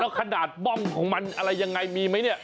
แล้วขนาดบ้องของมันอะไรยังไงมีไหมเนี่ย